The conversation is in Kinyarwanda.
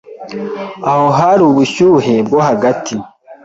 Aho hari ubushyuhe bwo hagati